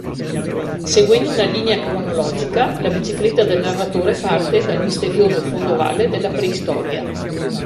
Seguendo una linea cronologica, la bicicletta del narratore parte dal misterioso fondovalle della preistoria.